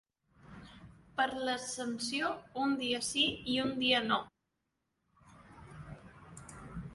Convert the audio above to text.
Per l'Ascensió, un dia sí i un dia no.